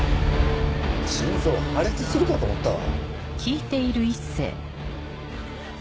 心臓破裂するかと思ったわ。